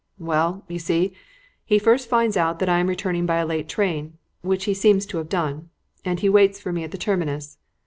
"Well, you see, he first finds out that I am returning by a late train which he seems to have done and he waits for me at the terminus.